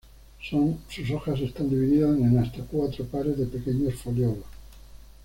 Sus hojas están divididas en hasta cuatro pares de pequeños foliolos.